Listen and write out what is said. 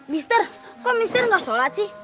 mr kok mr nggak sholat sih